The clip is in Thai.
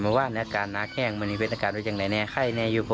เมื่อว่านอาการน้าแข้งมันยังเป็นอาการว่าจังไงใครเนี่ยอยู่บ่อ